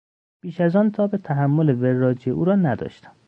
بیش از آن تاب تحمل وراجی او را نداشتم.